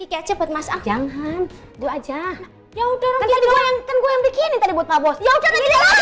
kecepatan masang jangan aja ya udah gue yang bikin ini buat pabos ya udah